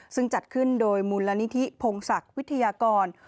ซึ่งจัดขึ้นโดยมูลนิธิพงศักดิ์วิทยากร